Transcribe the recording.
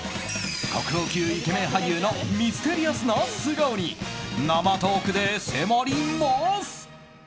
国宝級イケメン俳優のミステリアスな素顔に生トークで迫ります。